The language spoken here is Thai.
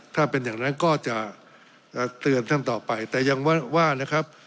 ถ้าเป็นอย่างนั้นก็จะเตือนท่านต่อไปแต่ยังว่านะครับ